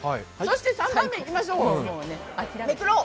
そして、３番目いきましょう。